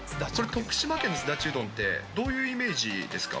徳島県のすだちうどんって、どういうイメージですか？